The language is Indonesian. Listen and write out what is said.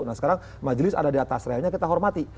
nah sekarang majelis ada di atas realnya kita hormati